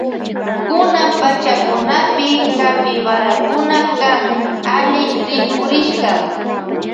Kunan pachakunapi capibarakuna kan alli rikurishka.